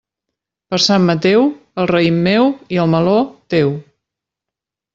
Per Sant Mateu, el raïm meu i el meló, teu.